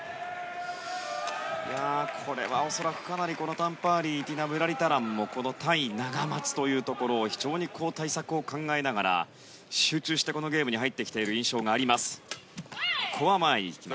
これは恐らくかなりタン・パーリーティナ・ムラリタランもこの対ナガマツというところ非常に対策を考えながら集中して、このゲームに入ってきている印象があります。